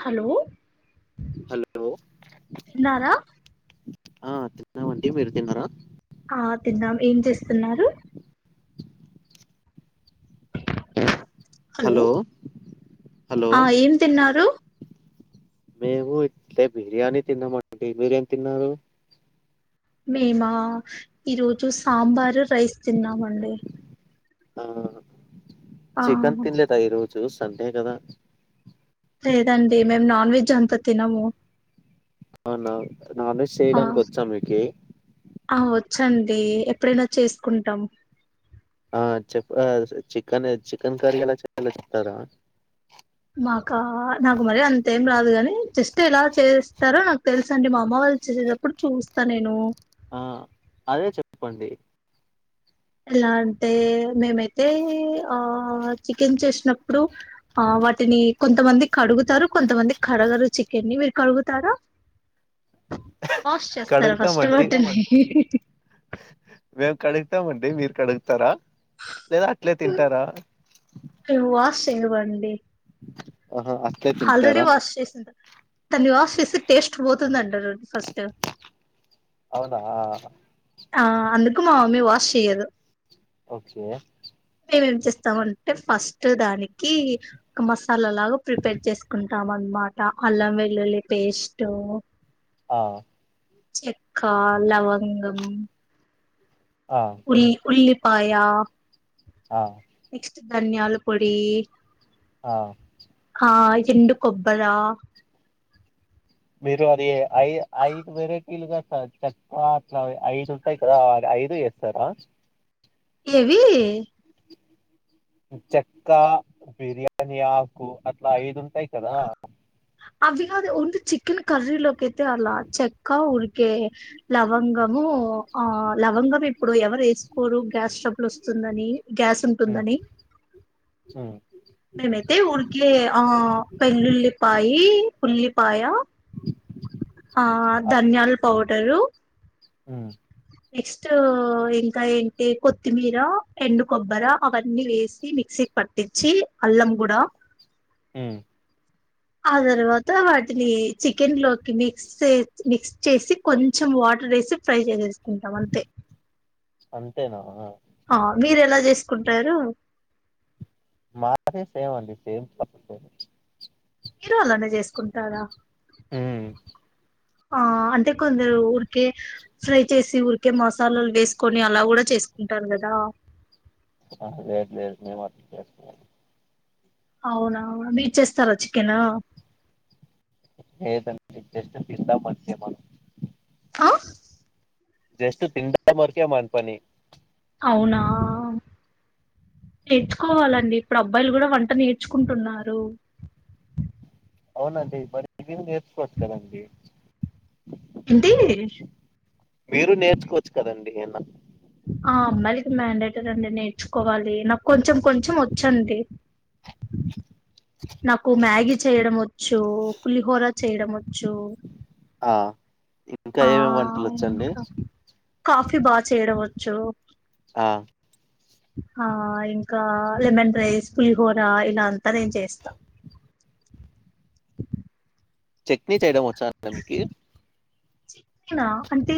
Hello hello తిన్నారా ఆ తిన్నాం అండి మీరు తిన్నారా ఆ తిన్నాం ఏం చేస్తున్నారు హలో హలో ఆ ఏం తిన్నారు అట్లే బిర్యానీ తిన్నామండి మీరేం తిన్నారు మేమా ఈరోజు సాంబారు రైస్ తిన్నామండి ఆ ఆ చికెన్ తినలేదా ఈరో చూ సండే కదా లేదండి మేము నాన్ వెజ్ అంత తినము అవునా నాన్ వెజ్ ఆ చేయడానికి వచ్చా మీకి ఆ వచ్చండి ఎప్పుడైనా చేసుకుంటాం ఆ చెప్పురా చికెన్ చికెన్ కర్రీ ఎలా చెయ్యాలో చెప్తారా నాకా నాకు మరి అంతేం రాదు కాని జస్ట్ ఎలా చేస్తారో నాకు తెలుస అండి మా అమ్మ వాళ్ళు చేసేటప్పుడు చూస్తా నేను ఆ అదే చెప్పండి ఎలా అంటే మేమైతే ఆ చికెన్ చేసినప్పుడు ఆ వాటిని కొంతమంది కడుగుతారు కొంతమంది కడగరు చికెన్ని మీరు కడుగుతారా వాష్ చేస్తారా ఫస్ట్ కడుగుతామండి వాటిని మేము కడుగుతామండి మీరు కడుగుతారా లేదా అట్లే తింటారా తేవండి ఆహా అట్లే తింటారా దన్ని వాష్ చేసి టేస్ట్ పోతుంది అంటరు ఫస్ట్ అవునా ఆ అందుకు మా మమ్మీ వాష్ చేయదు ఓకే మేమేం చేస్తామంటే ఫస్ట్ దాని కి ఆ మసాలా లాగా ప్రిపేర్ చేసుకున్ టాం అన్నమాట అల్లం వెల్లుల్లి పేస్టు ఆ చెక్కా లవంగం ఆ ఉల్లి ఉల్లి పాయా ఆ ధనియాల పొడి ఆ ఆ ఎండు కొబ్బరా మీరు అది ఐ ఐదు వెరైటీలుగా చెక్క అట్ల ఐదు ఉంటాయి కదా ఐదు ఏస్తారా ఏవి చెక్కా, బిర్యాని ఆకు, అట్లా ఐదుంటాయి కదా. అవి గాదు ఓన్లీ చికెన్ కర్రీలో కైతే అలా చెక్కా ఉరికే లవంగమూ ఆ లవంగం ఇప్పుడు ఎవరు ఏసుకోరు గ్యాస్ ట్రబుల్ వస్ స్తుందని గ్యాస్ ఉంటుందని. ఊ ఎ ఉరికే ఆ వెల్లుల్లిపాయీ, ఉల్లిపాయా ఆ ధనియాల్ పౌడరు. ఉమ్ నెక్స్ట్ ఆ ఇంకా ఏంటి కొత్తిమీరా, ఎండు కొబ్బరా, అవన్నీ వేసి మిక్సీకి పట్టిచ్చీ అల్లం గూడా. ఉమ్ ఆ తర్వాత్ త వాటినీ చికెన్ లోక్ మిక్స్ చే మిక్స్ చేసి కొంచెం వాటర్ ఏసి ఫ్రై చేసేస్ కుంటమంతే అంతేనా ఆ మీరు ఎలా చేసుకుంటారూ. మాది సేమ్ అండి సేమ్ ప్రాసెస్ ఏ మీరూ అలానే చేసుకుంటారా. ఉమ్ ఆ అంటే కొందరు ఉరికే ఫ్రై చేసి ఉరికే మసాలాలు వేసుకొని అలా కూడా చేసుకుంటారు కదా. ఆ లేదు లేదు మేం అట్ల చేసుకోం. అవునా అవున మీరు చేస్తారా చికెనా. లేద్ అండి జస్ట్ తింటాం అంతే మనం. ఆ జస్టు తినడం వరకే మన పనీ. అవునా. నేర్చుకోవాలండి ఇప్పుడు అబ్బాయిలు కూడా వంట నేర్చుకుంటున్నారు. అవునండి మరి మీరు నేర్చు కోవచ్చు కదా అండి. ఏంటీ మీరు నేర్చుకోవచ్చు కదండి అన్న ఆ అమ్మాయిలకి మ్యాండేటరీ అండి నేర్చుకోవాలి. నాకు కొంచెం కొంచెం వచ్చ అండి నాకు మ్యాగి చేయడం వచ్చూ, పులిహోర చేయడం వచ్చూ ఆ, ఇంకా ఏమేమి వంటలు వచ్చండి. కాఫీ బాగా చేయడంవచ్చూ. ఆ ఆ ఇంకా లెమన్ రైస్, పులిహోర ఇలా అంతా నేన్ చేస్తా. చట్నీ చెయ్య వచ్ చ్చా మీకి చట్నీనా అంటే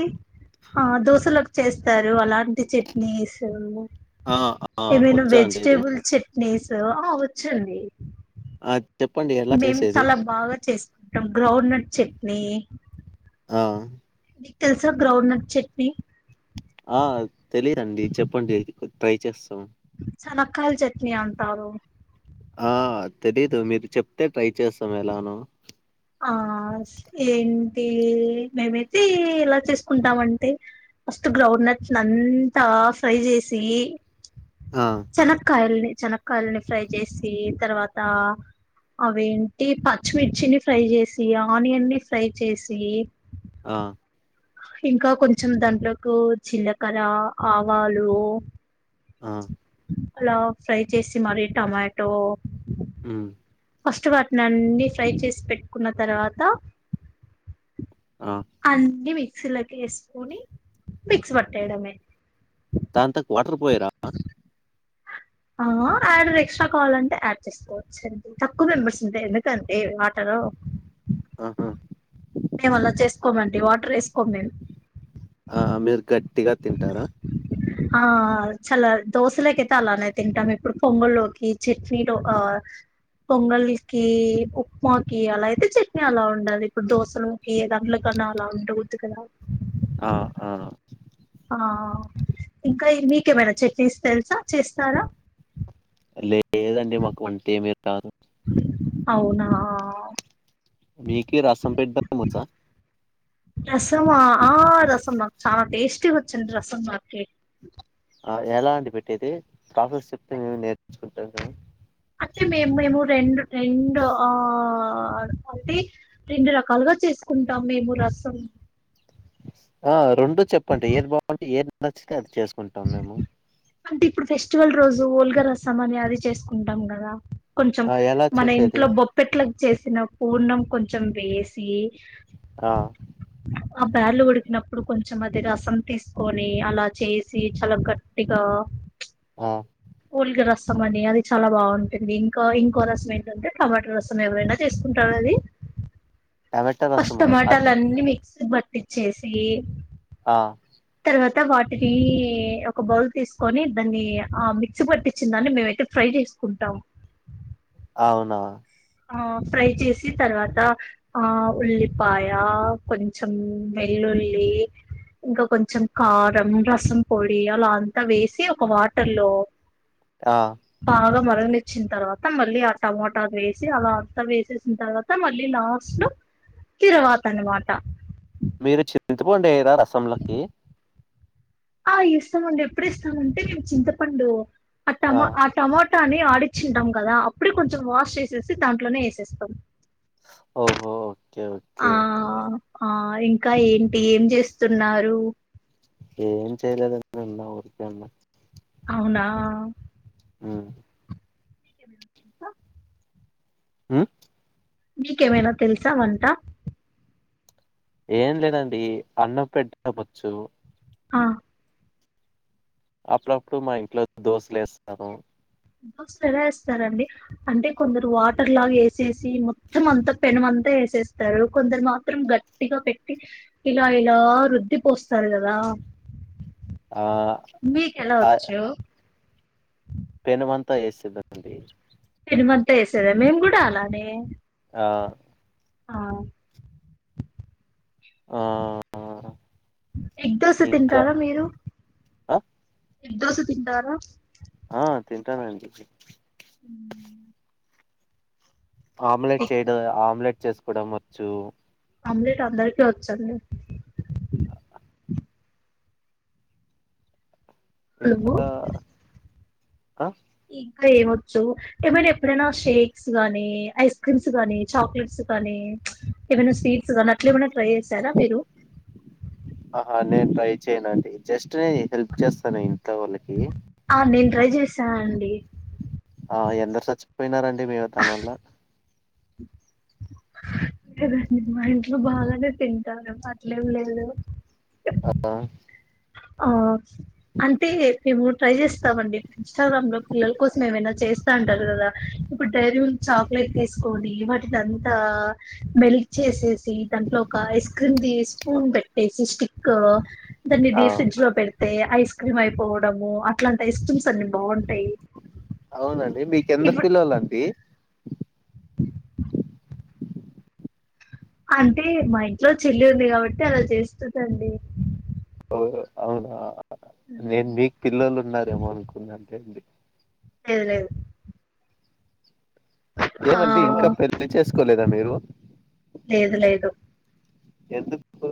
ఆ దోశలకు చేస్తారు అలాంటి చట్నీస్ ఆ ఆ ఆ ఏమైనా వచ్చా అండి ఇది వేజిటెబల్ చె నేసు ఆ వచ్చండి ఆ చెప్పండి ఎలా మేము చేసేది చాలా బాగా చేస్ మ గ్రౌండ్నట్ చట్నీ ఆ మీకు తెలుసా గ్రౌండ్నట్ చట్నీ ఆ తెలిదండి చెప్పండి ట్రై చేస్తాం చనక్కయలు చట్నీ అంటారు ఆ తెలీదు మీరు చెప్తే ట్రై చేస్తాం ఎలానో ఆ ఏంటి మేమైతే ఎలా చేసుకుంటామ అంటే ఫస్ట్ గ్రౌండ్నట్స్ అంతా ఫ్రై చేసి ఆ చన కాయల్ని చెనక్కయలని ఫ్రై చేసి తర్వాత అవేంటి పచ్చిమిర్చిని ఫ్రై చేసి ఆనియన్ని ఫ్రై చేసి ఆ ఇంకా కొంచెం దాంట్లోకి జీలకర్ర ఆవాలు ఆ అలా ఫ్రై చేసి మరి టమాటో మ్మ్ ఫస్ట్ వాటిని అన్ని ఫ్రై చేసి పెట్టుకున్న తర్వాత ఆ అంది పే మిక్సీలోకి వేసుకొని మిక్స్ పట్టేయడమే తాంతకు వాటర్ పోయరా ఆ యాడ ఎక్స్ట్రా కావాల అంటే యాడ్ చేసుకోవచ్చండి తక్కువ మెంబర్స్ ఉంటాయి ఎందుకంటే ఆటలో ఆహా మేము అలా చేసుకోమండి వాటర్ వేసు ఆ మీరు గట్టిగా తింటారా ఆ చాలా దోశలోకైతే అలానే తింటాము ఇప్పుడు పొంగల్లోకి చట్నీలో ఆ పొంగల్కి ఉప్మాకి అలా అయితే చట్నీ అలా ఉండాలి ఇప్పుడు దోశలోకి ఏ దాంలకన్నా అలా ఉండవద్దు కదా ఆ ఆ ఆ ఇంకా మీకేమైనా చెట్నీస్ తెలుసా చేస్తారా లేదండి మాకు వంటేమీ రాదు రాదు అవునా మీకి రాసంపేఠ ద మచ రసమా ఆ రసం మాకు చాలా టేస్టీ వచ్చిండి రసం మాకి ఎలా అంటిడి పెట్టేది ప్రాఫెస్ చెప్తే మే అంటే మేము మేము రెండు రెండు ఆ అంటే రెండు రకాలుగా చేసుకుంటాం మేము రసం ఆ రెండు చెప్పండి ఏది బాగుంటే ఏది నచ్చితే అది చేసుకుంటాం మేము అంటే ఇప్పుడు ఫెస్టివల్ రోజు ఉఓల్గా రసం అని అది చేసుకుంటాం కదా కొంచెం ఆ ఎలా మన చేసేది ఇంట్లో బొప్పెట్లకి చేసి పూర్ణం కొంచెం వేసి ఆ ఆ బర్లు కొడుకిిన ఇప్పుడు కొంచెం అది రసం తీసుకొని అలా చేసి చాలా ఘాట్ టిగా గా ఉల్గ రసం అండి అది చాలా బాగుంటుంది ఇంకా ఇంకో రసం ఏంటంటే టమాటా రసం ఎవరైనా చేసుకుంటారు అది టమాటా ఫస్ట్ రసమా ఆ టమాటాలు అన్నీ మిక్స్ పట్టిచేసి ఆ తర్వాత వాటిని ఒక బౌల్ తీసుకొని దాన్ని ఆ మిక్సీ పట్టిచ్చిన దాన్ని మేమైతే ఫ్రై చేసుకుంటాము అవునా ఆ ఫ్రై చేసి తర్వాత ఆ ఉల్లిపాయ కొంచెం వెల్లుల్లి ఇంకా కొంచెం కారం రసం పొడి అలా అంతా వేసి ఒక వాటర్ లో ఆ బాగా మరగనిచ్చిన తర్వాత మళ్ళీ ఆ టమమాటా వేసి సి అలా అంత వేసేసిన తర్వాత మళ్ళీ లాస్ట్ లొ తిరవాత అనమాట మీరు చింతపండు వేయరా రసంలోకి ఆ వేస్తామండి ఎప్పుడు వేస్తామంటే మేము చింతపండు ఆ టమాటా ఆ కాని ఆడిచింటాం కదా అప్పుడే కొంచెం వాష్ చేసేసి దాంట్లోనే వేసేస్తాం ఓహో ఒకే ఆ ఒకే ఆ ఇంకా ఏంటి ఏం చేస్తున్నారు ఏం చేయలేదు ఉన్నా ఊరికే ఉన్నా అవునా హ్మ్ ఎంత హ్మ్ మీకేమైన తెలుసా వంట ఏం లేదండి అన్నం పెట్టడంవచ్చు ఆ అప్పుడప్పుడు మా ఇంట్లో దోశలు వేస్తాను దోసెలు ఎలా వేస్తారండి అంటే కొందరు వాటర్ లాగా వేసేసి మొత్తం అంతా పెనుమంతా వేసేస్తారు కొందరు మాత్రం గట్టిగా పెట్టి ఇలా ఇలా రుద్ది పోస్తారు కదా ఆ మీకెలా ఆ వచ్చు పెనుమంతా వేసేదండి పెనుమంతా వేసేదా మేము కూడా అలానే ఆ ఆ ఆ ఆ ఎగ్ దోశ తింటారా మీరు ఆ ఎగ్ దోస తింటారా ఆ తింటానండి ఆమ్లెట్ ఎగ్ చేయడు ఆమ్లెట్ చేసుకోవడం వచ్చు ఆమ్లెట్ అందరికి వచ్చండి నువ్వు ఇంకా ఆ ఇంకా ఏమొచ్చు ఏమైనా ఎప్పుడైనా షేక్స్ గానీ ఐస్ క్రీమ్స్ గానీ చాక్లెట్స్ గానీ ఏమైనా స్వీట్స్ కానీ అట్లా ఏమన్నా ట్రై చేసారా మీరు ఆహా నేను ట్రై చేయను ఆండీ జస్ట్ హెల్ప్ చేస్తా నేన ఆ నేను ట్రై చేసా అండి ఆ ఎందరు చచ్చిపోయినారండి దాని వల్ల లేదండి మా ఇంట్లో బాగానే తింటారేమో అట్లేం లేదు ఆ ఆ అంటే మేము ట్రై చేస్తామండి ఇంస్టాగ్రామ్ లో పిల్లల కోసం ఏమైనా చేస్తా ఉంటారు కదా ఇప్పుడు డైరీ చాక్లెట్ తీసుకోండి వాటిని అంతా మెల్క్ చేసే జి దాంట్లో ఒక ఐస్ క్రీమ్ తీస్ స్పూన్ పెట్టేసి స్టిక్ తంది ఆ దీస్ పెడితే ఐస్ క్రీమ్ అయిపోవడము అట్లాంటి ఇవే క్రీమ్ అన్ని అన్నీ బాగుంటాయి అవునండి మీకెందరు ఇప్పుడు పిల్లలండి అంటే మా ఇంట్లో చెల్లి ఉంది కాబట్టి అలా చేస్తుందండి ఓ అవునా నేను మీకు పిల్లలు ఉన్నారేమో అనుకున్నా లెండి లేదు లేదు ఆ ఏమండి ఇంకా పెళ్లి చేసుకోలేదు ద మీరు లేదు లేదు ఎందుకు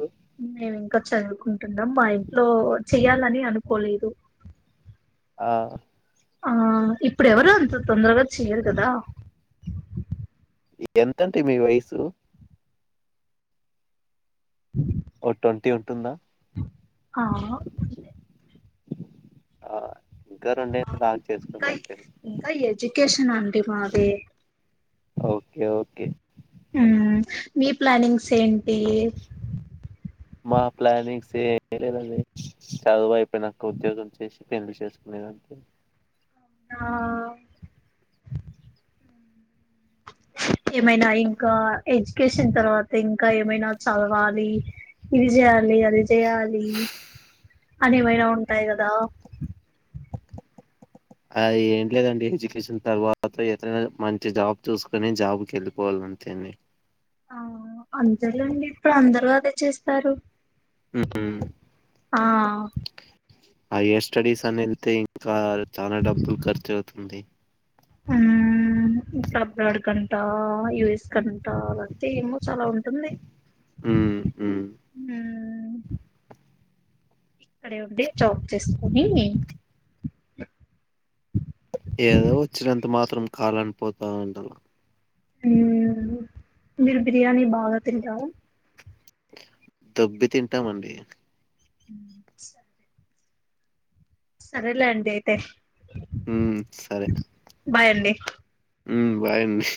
మేము ఇంకా చదువుకుంటున్నాం మా ఇంట్లో చెయాలని అనుకోలేదు ఆ ఆ ఇప్పుడెవరు అంత తొందరగా చెయరు కదా ఎంతంటే మీ వయసు ఓ ట్వంటీ ఉంటుందా ఆ ఆ ఇంకా రెండేళ్ళు ఆగి ఇంకా చేసుకోండి అంతే ఇంకా ఎడ్యుకేషన్ అండి మాక్ చే ఓకే ఓకే మీ ప్లానింగ్స్ ఏంటి మా ప్లానింగ్స్ ఏ లేదద చదువు అయిపోయినాక ఉద్యోగం చేసి పెళ్లు చేసుకునేదంతే ఆ ఏమైనా ఇంకా ఎడ్యుకేషన్ తర్వాత ఇంకా ఏమైనా చదవాలి ఇది చేయాలి లే అది చేయాలి అదివైనా ఉంటాయి కదా అ ఏం లేదండి ఎడ్యుకేషన్ తర్వాత ఎతనా మంచి జాబ్ చూసుకొని జాబ్కి వెళ్ళిపోవాలంతేని ఆ అంతేలెండి ఇప్పుడు అందరు అదే చేస్తారు ఉమ్, ఆ అయ్యర్ స్టడీస్ అని వెళ్తే ఇంకా చాలా డబ్బులు ఖర్చు అవుతుంది అబ్రాడ్ కంటా యూఎస్ కం త ఏమో చాలా ఉంటుంది ఉమ్ ఉమ్ ఇక్కడ ఉండే జాబ్ చేసుకుని ఏదో వచ్చినంత మాత్రం కాలని పోతా అంటలా మీరు బిర్యానీ బాగా తింటావు దొబ్బి తింటామండి సరేలేండి అయితే హ సరే బాయ్ అండి హమ్ బాయ్ అండి